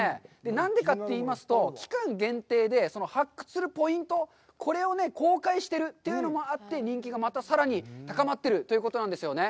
何でかといいますと、期間限定で、その発掘するポイント、これをね公開してるというのもあって、人気がまたさらに高まってるということなんですよね。